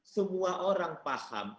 semua orang paham